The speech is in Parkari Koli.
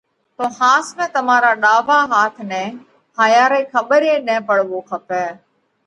تو ۿاس ۾ تمارا را ڏاوا هاٿ نئہ هائيا رئِي کٻر ئي نہ پڙوو کپئہ۔